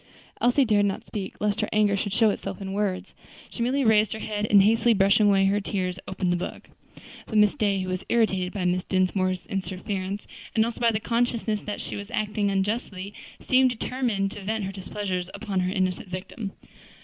Elsie dared not speak lest her anger should show itself in words; so merely raised her head, and hastily brushing away her tears, opened the book. But Miss Day, who was irritated by Mrs. Dinsmore's interference, and also by the consciousness that she was acting unjustly, seemed determined to vent her displeasure upon her innocent victim.